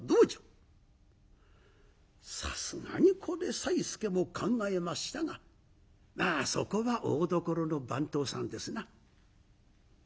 さすがにこれさいすけも考えましたがまあそこは大どころの番頭さんですな。